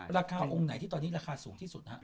ราคาของอุงไหนที่ตอนนี้ราคาสูงที่สุด